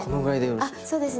あっそうですね。